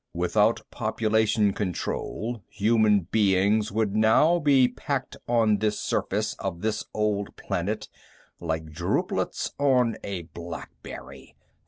"Without population control, human beings would now be packed on this surface of this old planet like drupelets on a blackberry!